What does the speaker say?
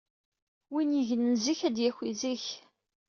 Win yegnen zik ad d-yaki zik.